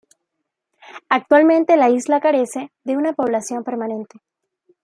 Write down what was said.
Actualmente la isla carece de una población permanente.